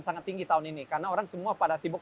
sangat tinggi tahun ini karena orang semua pada sibuk